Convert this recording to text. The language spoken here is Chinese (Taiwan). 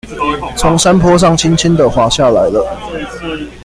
從山坡上輕輕的滑下來了